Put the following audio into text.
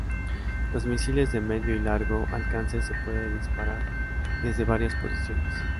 Los misiles de medio y largo alcance se pueden disparar desde varias posiciones.